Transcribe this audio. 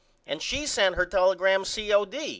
And she sent her telegram c.o.d.